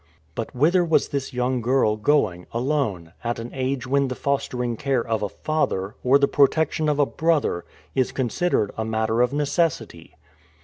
But whither was this young girl going, alone, at an age when the fostering care of a father, or the protection of a brother, is considered a matter of necessity?